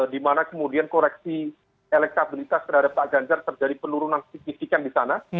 di mana kemudian koreksi elektabilitas dari pak ganjar terjadi penurunan signifikan di sana